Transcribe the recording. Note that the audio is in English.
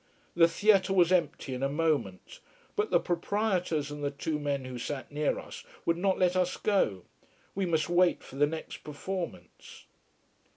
The theatre was empty in a moment, but the proprietors and the two men who sat near us would not let us go. We must wait for the next performance.